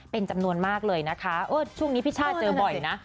เป็นจำนวนมากเลยนะคะช่วงนี้พี่ช่าเจอบ่อยนะ